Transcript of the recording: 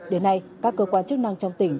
đến nay các cơ quan chức năng trong tỉnh